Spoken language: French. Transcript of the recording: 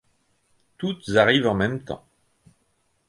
Toutes arrivent en même temps.